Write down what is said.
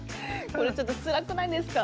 これちょっとつらくないですか。